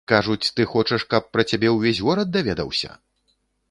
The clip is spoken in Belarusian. Кажуць, ты хочаш, каб пра цябе ўвесь горад даведаўся?